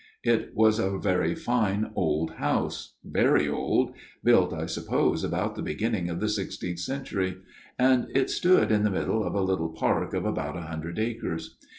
" It was a very fine old house, very old built, I suppose, about the beginning of the sixteenth century and it stood in the middle of a little park of about a hundred acres.